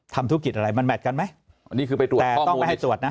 ทำธุรกิจอะไรมันแมทกันไหมแต่ต้องไปให้ตรวจนะ